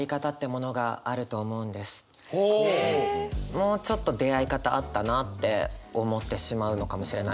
もうちょっと出会い方あったなって思ってしまうのかもしれない。